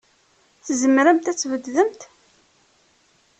Tzemremt ad tbeddemt?